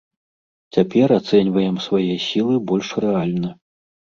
Цяпер ацэньваем свае сілы больш рэальна.